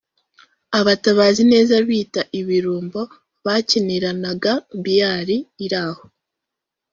abatabazi neza bita ibirumbo bakiniranaga biyari (pool) iri aho